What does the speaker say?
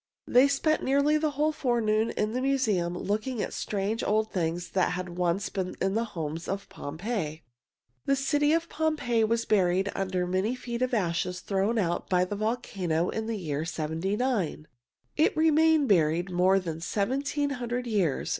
They spent nearly the whole forenoon in the museum looking at strange, old things that had once been in the homes of Pompeii. The city of Pompeii was buried under many feet of ashes thrown out by the volcano in the year seventy nine. It remained buried more than seventeen hundred years.